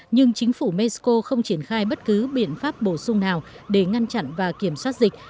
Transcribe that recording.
nhưng chính phủ mexico không triển khai bất cứ biện pháp bổ sung nào để ngăn chặn và kiểm soát dịch